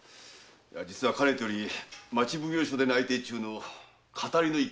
かねてより町奉行所で内偵中の「騙り」の一件ですが。